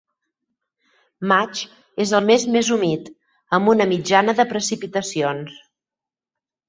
Maig és el mes més humit, amb una mitjana de precipitacions.